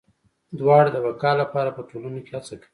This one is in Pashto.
دواړه د بقا لپاره په ټولنو کې هڅه کوي.